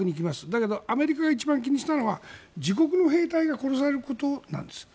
だけどアメリカが一番気にしたのは自国の兵隊が殺されることなんです。